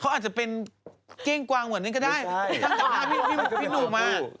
เขาอาจจะเป็นเก้งกวางเหมือนนึงก็ได้ทั้งจากหน้าพี่หนูมาไม่ใช่